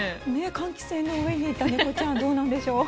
換気扇にいた猫ちゃんどうなんでしょう。